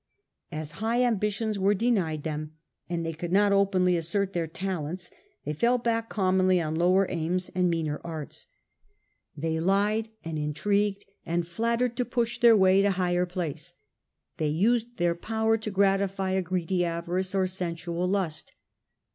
As high ambitions were denied them, and they could not openly assert their talents, they fell back commonly on lower aims and meaner arts. They lied iordid and intrigued and flattered to push their way ambition and to higher place ; they used their power to gratify a greedy avarice or sensual lust.